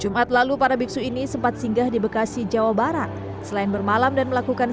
jumat lalu para biksu ini sempat singgah di bekasi jawa barat selain bermalam dan melakukan